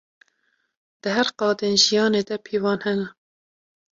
Di her qadên jiyanê de pîvan hene.